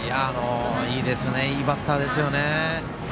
いいですねいいバッターですよね。